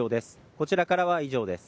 こちらからは以上です。